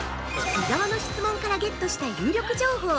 ◆伊沢の質問からゲットした有力情報。